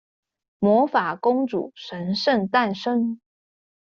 魔法公主神聖誕生